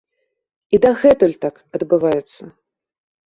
І дагэтуль так адбываецца!